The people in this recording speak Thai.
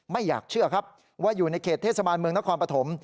ไม่อยากเชื่อครับว่าอยู่ในเขตเทศบาลเมืองนครปฐม